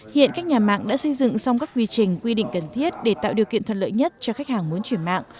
hiện các nhà mạng đã xây dựng xong các quy trình quy định cần thiết để tạo điều kiện thuận lợi nhất cho khách hàng muốn chuyển mạng